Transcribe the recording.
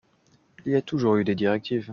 Il y a toujours eu des directives.